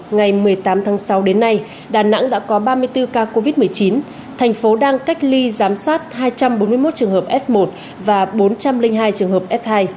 ngày một mươi tám tháng sáu đến nay đà nẵng đã có ba mươi bốn ca covid một mươi chín thành phố đang cách ly giám sát hai trăm bốn mươi một trường hợp f một và bốn trăm linh hai trường hợp f hai